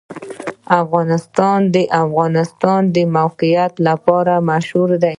افغانستان د د افغانستان د موقعیت لپاره مشهور دی.